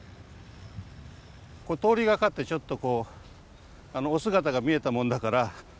ここ通りがかってちょっとこうお姿が見えたもんだから。